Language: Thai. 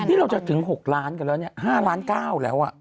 ถ้าเราจะถึง๖ล้านก็แล้วนี่๕ล้าน๙แล้วอ่ะ